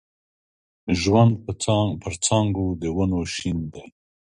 ژوندون پر څانګو د ونو شین دی